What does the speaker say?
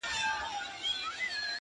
څلور پښې يې نوري پور كړې په ځغستا سوه!!